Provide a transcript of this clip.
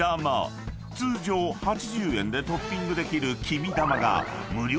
［通常８０円でトッピングできる］